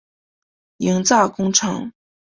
营造工程